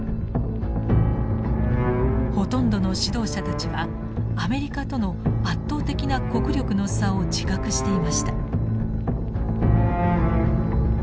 ほとんどの指導者たちはアメリカとの圧倒的な国力の差を自覚していました。